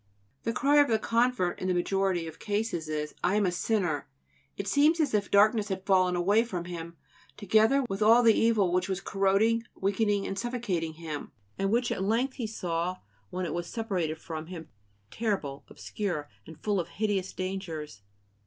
The cry of the convert in the majority of cases is: "I am a sinner!" It seems as if darkness had fallen away from him, together with all the evil which was corroding, weakening, and suffocating him, and which at length he saw, when it was separated from him, terrible, obscure, and full of hideous dangers.